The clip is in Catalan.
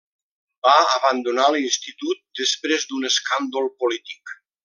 Va abandonar l'institut després d'un escàndol polític.